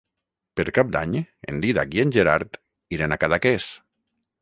Per Cap d'Any en Dídac i en Gerard iran a Cadaqués.